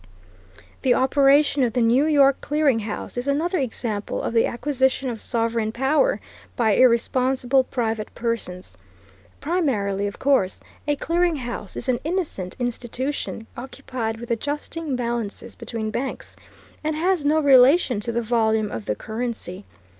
The operation of the New York Clearing House is another example of the acquisition of sovereign power by irresponsible private persons. Primarily, of course, a clearing house is an innocent institution occupied with adjusting balances between banks, and has no relation to the volume of the currency.